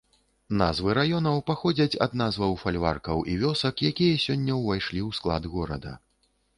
Назвы раёнаў паходзяць ад назваў фальваркаў і вёсак, якія сёння ўвайшлі ў склад горада.